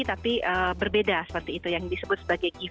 jadi berbeda seperti itu yang disebut sebagai g empat